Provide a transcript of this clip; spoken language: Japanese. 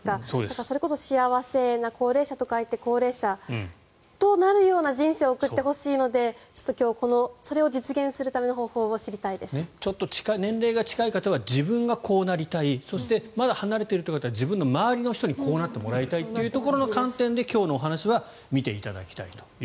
だから、それこそ幸せな高齢者と書いて幸齢者となるような人生を送ってほしいので、今日それを実現するための方法を年齢が近い方は自分がこうなりたいそして、まだ離れている方は自分の周りの人にこうなってもらいたいという観点で今日のお話は見ていただきたいと。